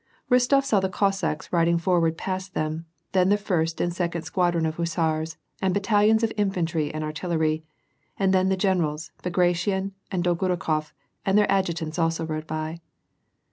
Rostof saw the Cossacks riding forward past them, then the first and second squadron of hussars, and battalions of infantry and artillery; and then the generals, Bagration and Dolgoru kof, and their adjutants also rode by.